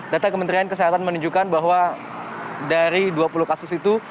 data kementerian kesehatan menunjukkan bahwa dari dua puluh kasus itu